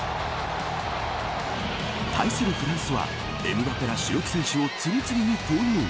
対するフランスはエムバペら主力選手を次々に投入。